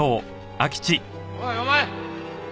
おいお前！